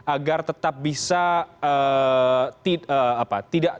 agar tetap bisa